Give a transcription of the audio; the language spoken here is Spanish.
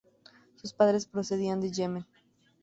Sus padres procedían de Yemen.